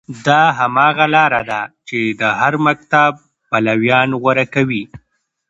دا هماغه لاره ده چې د هر مکتب پلویان غوره کوي.